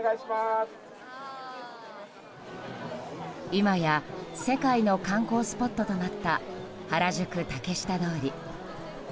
今や世界の観光スポットとなった原宿・竹下通り。